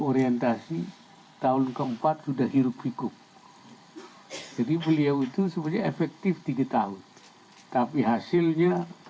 orientasi tahun keempat sudah hirup pikuk jadi beliau itu sebenarnya efektif tiga tahun tapi hasilnya